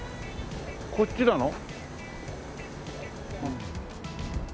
こっちなの？